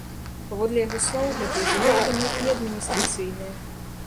Паводле яго слоў, гэта і жылыя дамы, і адміністрацыйныя.